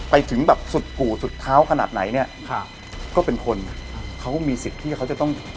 ไปถึงแบบสุดกู่สุดเท้าขนาดไหนเนี่ยครับก็เป็นคนเขามีสิทธิ์ที่เขาจะต้อง